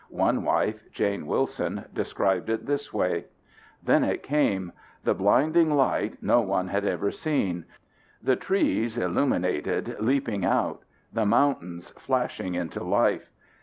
One wife, Jane Wilson, described it this way, "Then it came. The blinding light [no] one had ever seen. The trees, illuminated, leaping out. The mountains flashing into life.